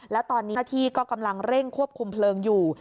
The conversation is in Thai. แล้วตอนนี้ที่ก็กำลังเร่งควบคุมเพลิงอยู่